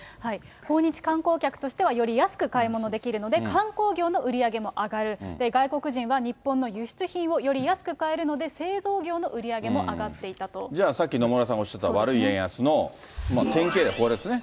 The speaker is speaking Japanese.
訪日観光客としてはより安く買い物できるので、観光業の売り上げも上がる、外国人は日本の輸出品をより安く買えるので、製造業の売り上げもじゃあ、さっき野村さんがおっしゃった悪い円安の典型がこれですね。